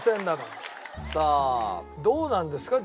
どうなんですか？